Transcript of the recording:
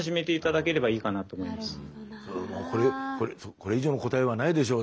これ以上の答えはないでしょう。